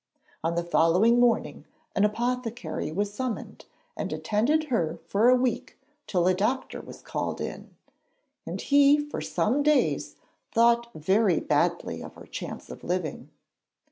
On the following morning an apothecary was summoned, and attended her for a week till a doctor was called in, and he for some days thought very badly of her chance of living.